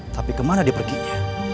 tapi kemana dia perginya